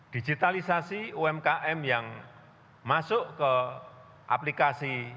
digitalisasi umkm yang masuk ke aplikasi